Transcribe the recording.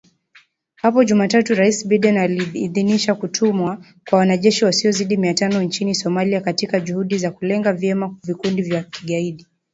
Hapo Jumatatu Rais Biden aliidhinisha kutumwa kwa wanajeshi wasiozidi mia tano nchini Somalia katika juhudi za kulenga vyema vikundi vya kigaidi.